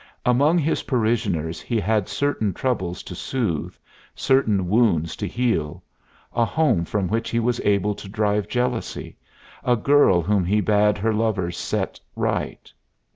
Among his parishioners he had certain troubles to soothe, certain wounds to heal; a home from which he was able to drive jealousy; a girl whom he bade her lover set right.